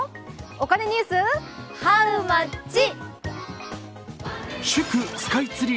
お金ニュース、ハウマッチ。